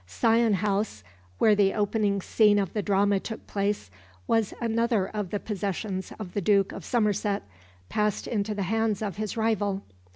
Sion House, where the opening scene of the drama took place, was another of the possessions of the Duke of Somerset, passed into the hands of his rival.